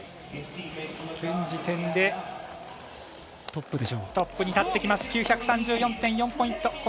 現時点でトップに立ってきます、９３４．４ポイント。